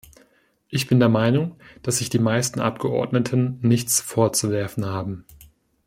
Ich bin der Meinung, dass sich die meisten Abgeordneten nichts vorzuwerfen haben.